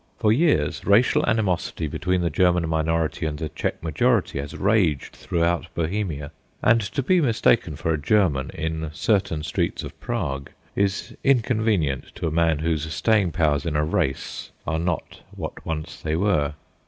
For years racial animosity between the German minority and the Czech majority has raged throughout Bohemia, and to be mistaken for a German in certain streets of Prague is inconvenient to a man whose staying powers in a race are not what once they were.